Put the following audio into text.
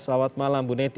selamat malam ibu neti